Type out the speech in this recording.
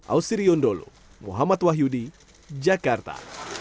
ausri undolo muhammad wahyudi jakarta